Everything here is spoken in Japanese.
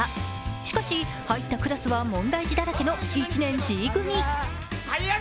しかし、入ったクラスは問題児だらけの１年Ｇ組。